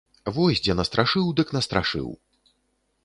Вось дзе настрашыў дык настрашыў!